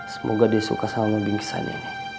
semoga dia suka sama bingsanya